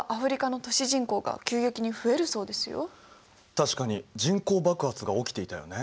確かに人口爆発が起きていたよね。